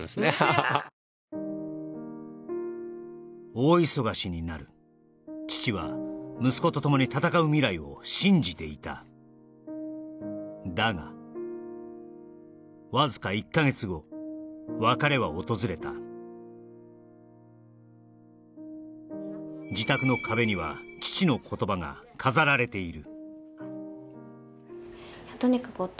大忙しになる父は息子とともに戦う未来を信じていただがわずか１か月後別れは訪れた自宅の壁には父の言葉が飾られている